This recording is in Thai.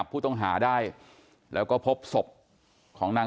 กลุ่มตัวเชียงใหม่